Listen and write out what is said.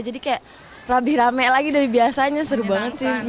jadi kayak lebih rame lagi dari biasanya seru banget sih